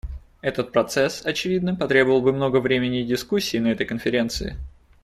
Этот процесс, очевидно, потребовал бы много времени и дискуссий на этой Конференции.